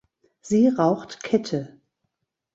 Sie raucht Kette.